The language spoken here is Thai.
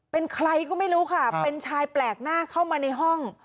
เป็นใครก็ไม่รู้ค่ะเป็นชายแปลกหน้าเข้ามาในห้อง